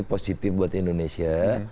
positif buat indonesia